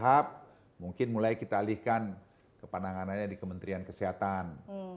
secara bertahap mungkin mulai kita alihkan kepananganannya di kementerian kesehatan